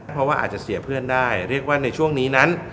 เพราะว่าอาจจะเสียเพื่อนได้เรียกว่าในช่วงนี้นั้น